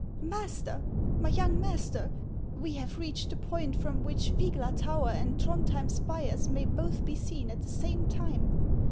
" Master, my young master ! we have reached the point from which Vygla tower and Throndhjem spires may both be seen at the same time.